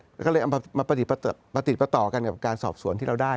แล้วก็เลยเอามาประติดประต่อกันกับการสอบสวนที่เราได้